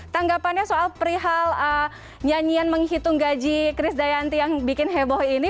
tanggapannya soal perihal nyanyian menghitung gaji chris dayanti yang bikin heboh ini